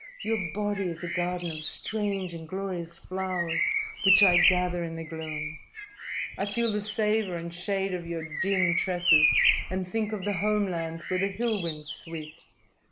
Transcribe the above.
Your body is a garden of strange and glorious flowers which I gather in the gloom. I feel the savor and shade of your dim tresses, and think of the home land where the hill winds sweep.